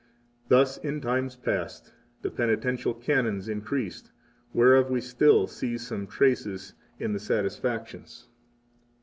Thus in times past the Penitential Canons increased, whereof we still see some traces in the satisfactions.